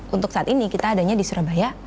untuk saat ini kita adanya di surabaya